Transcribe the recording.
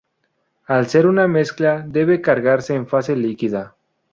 Al ser una mezcla, debe cargarse en fase líquida.